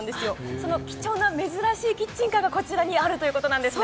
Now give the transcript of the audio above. その貴重な珍しいキッチンカーがここにあるということですね。